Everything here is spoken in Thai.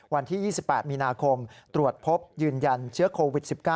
วันที่๒๘มีนาคมตรวจพบยืนยันเชื้อโควิด๑๙